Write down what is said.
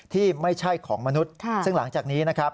ที่ไม่ใช่ของมนุษย์ซึ่งหลังจากนี้นะครับ